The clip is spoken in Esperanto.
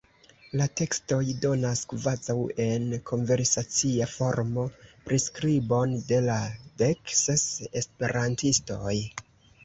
La tekstoj donas, kvazaŭ en konversacia formo, priskribon de la dek ses esperantistoj.